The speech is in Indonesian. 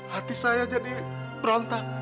hati saya jadi berontak